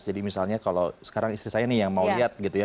jadi misalnya kalau sekarang istri saya nih yang mau lihat gitu ya